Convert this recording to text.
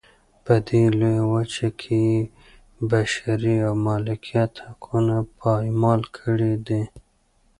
په دې لویه وچه کې یې بشري او مالکیت حقونه پایمال کړي دي.